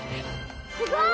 すごい！